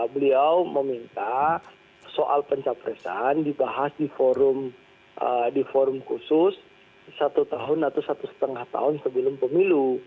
beliau meminta soal pencapresan dibahas di forum khusus satu tahun atau satu setengah tahun sebelum pemilu